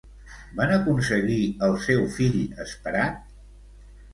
Van aconseguir el seu fill esperat?